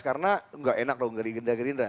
karena gak enak loh ngeri gerindra gerindra